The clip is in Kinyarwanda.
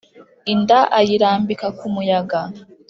inda ayirambika ku muyaga